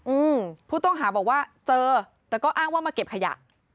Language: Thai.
อืมผู้ต้องหาบอกว่าเจอแต่ก็อ้างว่ามาเก็บขยะ